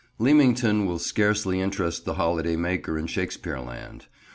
LEAMINGTON will scarcely interest the holiday maker in Shakespeare land.